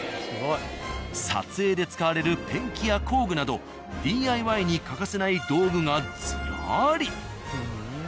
撮影で使われるペンキや工具などＤＩＹに欠かせない道具がずらり。